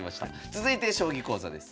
続いて将棋講座です。